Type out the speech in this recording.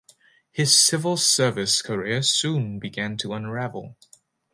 His civil service career soon began to unravel.